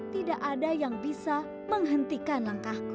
tidak ada yang bisa menghentikan langkahku